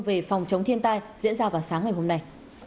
về phòng chống thiên tai diễn ra vào sáng ngày hôm nay